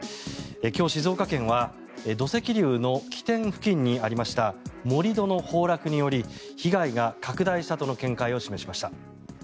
今日、静岡県は土石流の起点付近にありました盛り土の崩落により被害が拡大したとの見解を示しました。